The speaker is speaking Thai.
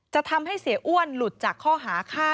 ทำให้เสียอ้วนหลุดจากข้อหาฆ่า